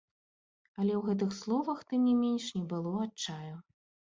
Але ў гэтых словах, тым не менш, не было адчаю.